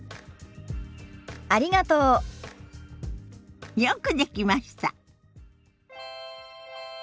ありがとう。よくできました。